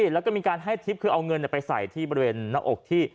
แล้วก็มีการให้ทริปคือเอาเงินไปใส่ที่บริเวณหน้าอกที่